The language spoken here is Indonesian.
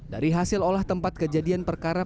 dari hasil olah tempat kejadian perkara